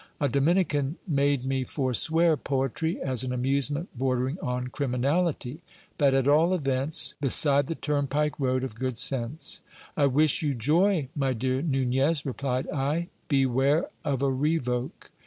A Dominican made me forswear poetry, as an amusement bordering on criminality, but at all events beside the turnpike road c f good sense. I wish you joy, my dear Nunez, replied I ; beware of a revoke.